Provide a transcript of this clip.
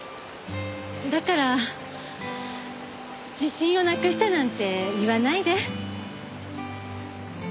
だから自信をなくしたなんて言わないで。